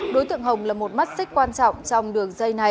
đối tượng hồng là một mắt xích quan trọng trong đường dây này